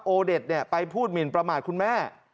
เด็ดไปพูดหมินประมาทคุณแม่